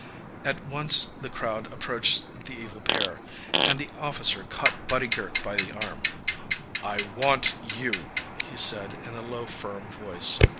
At once the crowd approached the evil pair, and the officer caught Buddy Girk by the arm, "I want you," he said in a low, firm voice.